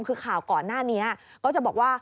คือข่าวก่อนหน้านี้ก็จะบอกว่า